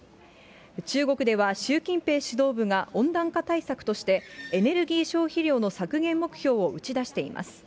中国では習近平指導部が温暖化対策として、エネルギー消費量の削減目標を打ち出しています。